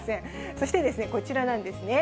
そして、こちらなんですね。